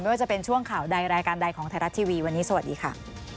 ว่าจะเป็นช่วงข่าวใดรายการใดของไทยรัฐทีวีวันนี้สวัสดีค่ะ